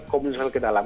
komunikasi ke dalam